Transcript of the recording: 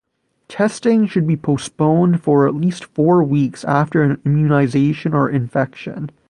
Testing should be postponed for at least four weeks after an immunization or infection.